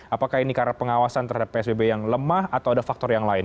apakah ini karena pengawasan terhadap psbb yang lemah atau ada faktor yang lain